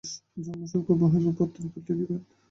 জন্মোৎসব কবে হইবে পত্রপাঠ লিখিবেন।